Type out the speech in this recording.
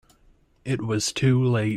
It was too late.